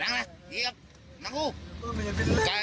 แม่มาช่วยดีกันแม่มาช่วยดีกัน